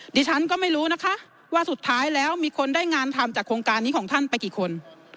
ดิฉันก็ไม่รู้นะคะว่าสุดท้ายแล้วมีคนได้งานทำจากโครงการนี้ของท่านไปกี่คน